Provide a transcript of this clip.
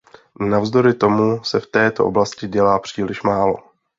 Navzdory tomu se v této oblasti dělá příliš málo.